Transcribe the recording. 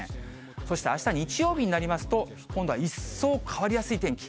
そして、あした日曜日になりますと、今度は一層変わりやすい天気。